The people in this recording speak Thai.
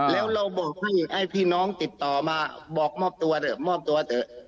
แล้วเราบอกให้พี่น้องติดต่อมาบอกมอบตัวเถอะ